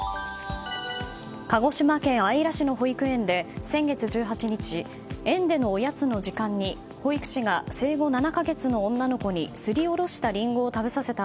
鹿児島県姶良市の保育園で先月１８日園でのおやつの時間に、保育士が生後７か月の女の子にすりおろしたリンゴを食べさせた